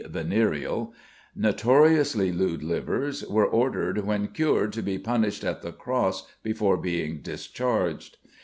_, venereal), notoriously lewd livers, were ordered when cured to be punished at the cross before being discharged."